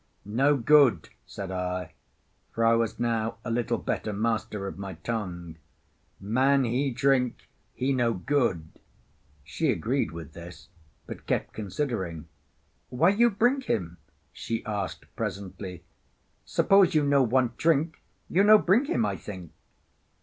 "No good," said I, for I was now a little better master of my tongue. "Man he drink, he no good." She agreed with this, but kept considering. "Why you bring him?" she asked presently. "Suppose you no want drink, you no bring him, I think."